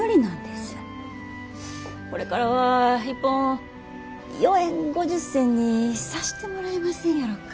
これからは一本４円５０銭にさしてもらえませんやろか。